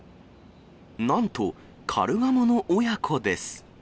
なんとカルガモの親子です。